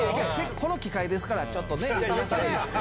この機会ですから、ちょっとなんや。